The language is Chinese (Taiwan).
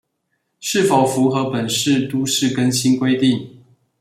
是否符合本市都市更新規定